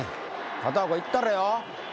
片岡いったれよ。